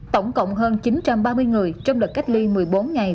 tổng cộng hơn chín trăm ba mươi người trong đợt cách ly một mươi bốn ngày